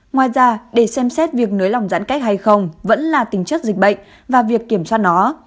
ngoài ra để xem xét việc nới lỏng giãn cách hay không vẫn là tính chất dịch bệnh và việc kiểm soát nó